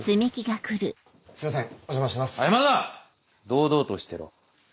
堂々としてろ。